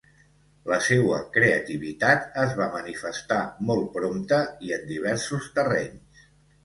La seua creativitat es va manifestar molt prompte i en diversos terrenys.